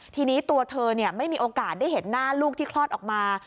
ทีนี้ตัวเธอไม่มีโอกาสได้เห็นหน้าลูกที่คลอดออกมา